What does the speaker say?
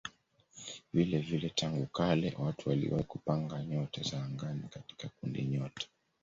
Vilevile tangu kale watu waliwahi kupanga nyota za angani katika kundinyota.